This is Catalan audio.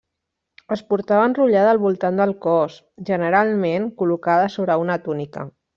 Es portava enrotllada al voltant del cos, generalment col·locada sobre una túnica.